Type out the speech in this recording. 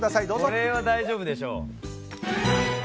これは大丈夫でしょ。